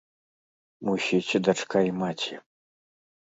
Мусіць, дачка і маці.